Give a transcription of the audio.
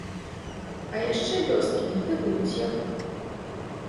А яшчэ лёсткі матывуюць яго.